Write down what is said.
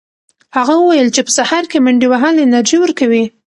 هغه وویل چې په سهار کې منډې وهل انرژي ورکوي.